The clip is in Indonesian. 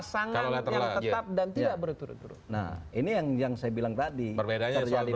sangat tetap dan tidak berturut turut nah ini yang yang saya bilang tadi perbedaannya jadi